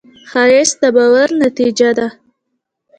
ښایست د باور نتیجه ده